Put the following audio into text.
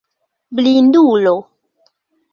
Blindulo!